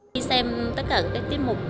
khi xem tất cả các tiết mục